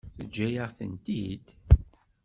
Teǧǧa-yaɣ-tent-id?